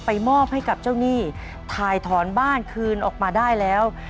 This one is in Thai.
มอบให้กับเจ้าหนี้ถ่ายถอนบ้านคืนออกมาได้แล้ว